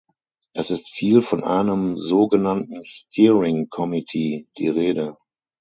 Es ist viel von einem so genannten steering committee die Rede.